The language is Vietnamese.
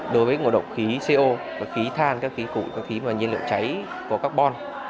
đối với ngộ độc khí co khí than khí củi khí nhiên liệu cháy có carbon